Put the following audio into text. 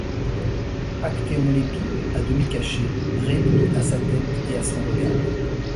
Actéon l'épie, à demi caché, réduit à sa tête et à son regard.